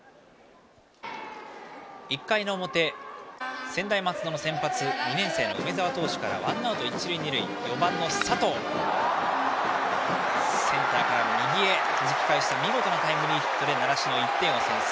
１回の表、専大松戸の先発２年生の梅澤投手からワンアウト、一塁二塁４番の佐藤センターから右へはじき返した見事なタイムリーヒットで習志野、１点を先制。